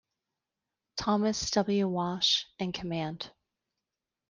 Thomas W. Walsh in command.